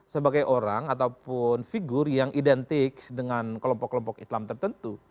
sebagai orang ataupun figur yang identik dengan kelompok kelompok islam tertentu